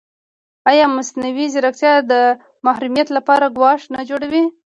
ایا مصنوعي ځیرکتیا د محرمیت لپاره ګواښ نه جوړوي؟